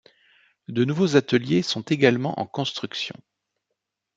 De nouveaux ateliers sont également en construction.